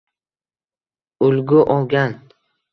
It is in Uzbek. ulgu olgan